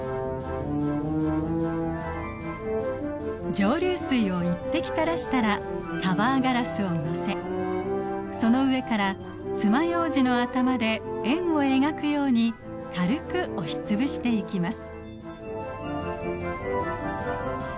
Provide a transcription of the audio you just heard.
蒸留水を１滴たらしたらカバーガラスをのせその上からつまようじの頭で円を描くように軽く押しつぶしていきます。